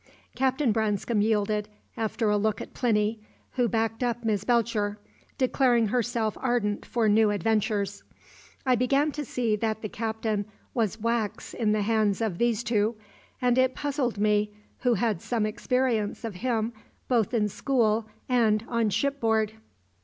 Captain Branscome yielded, after a look at Plinny, who backed up Miss Belcher, declaring herself ardent for new adventures. I began to see that the Captain was wax in the hands of these two, and it puzzled me, who had some experience of him both in school and on shipboard.